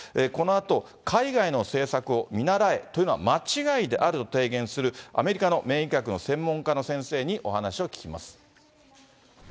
このあと海外の政策を見習えというのは間違いであると提言する、アメリカの免疫学の専門家の先生にお話を聞きます。